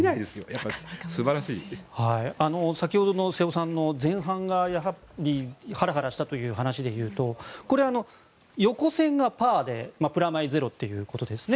先ほどの瀬尾さんの前半がハラハラしたという話でいうと横線がパーでプラマイ０ということですね。